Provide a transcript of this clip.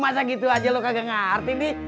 masa gitu aja lo kagak ngerti bi